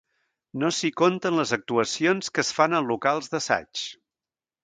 No s'hi compten les actuacions que es fan en locals d'assaig.